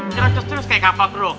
nyerocos terus kayak kapal kerung